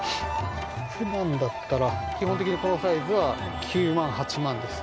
ふだんだったら、基本的にこのサイズは９万、８万です。